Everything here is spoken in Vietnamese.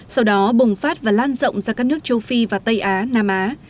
sau đó bùng phát và lan rộng ra các nước châu phi và tây á nam á